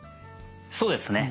そうですね。